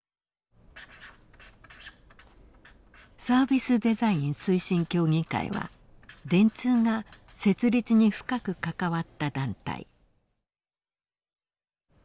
サービスデザイン推進協議会は電通が設立に深く関わった団体。